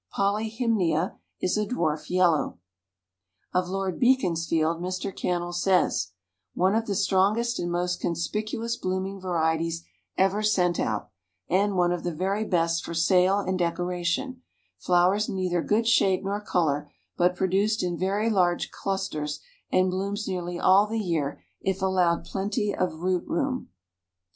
Polyhymnia is a dwarf yellow. Of Lord Beaconsfield, Mr. Cannell says: "One of the strongest and most conspicuous blooming varieties ever sent out, and one of the very best for sale and decoration; flowers neither good shape nor color, but produced in very large clusters and blooms nearly all the year if allowed plenty of root room."